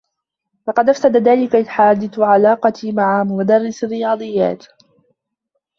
لقد أفسد ذلك الحادث علاقتي مع مدرّس الرّياضيّات.